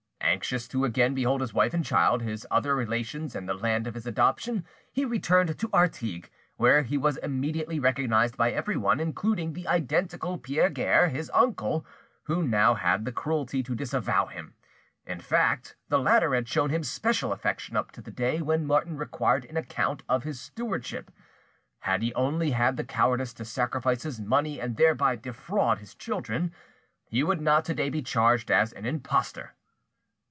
Anxious to again behold his wife and child, his other relations and the land of his adoption, he returned to Artigues, where he was immediately recognised by everyone, including the identical Pierre Guerre, his uncle, who now had the cruelty to disavow him. In fact, the latter had shown him special affection up to the day when Martin required an account of his stewardship. Had he only had the cowardice to sacrifice his money and thereby defraud his children, he would not to day be charged as an impostor.